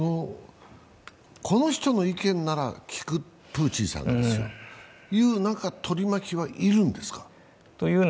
この人の意見なら聞く、プーチンさんがですよ、そういう取り巻きはいるんですか？